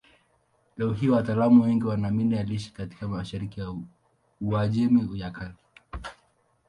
Leo hii wataalamu wengi wanaamini aliishi katika mashariki ya Uajemi ya Kale.